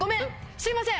すいません！